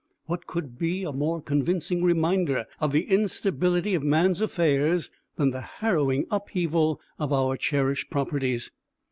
What could be a more convincing reminder of the instability of man's affairs than the harrowing upheaval of our cherished properties?